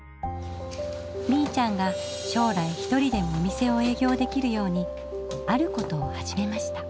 みいちゃんが将来ひとりでもお店を営業できるようにあることを始めました。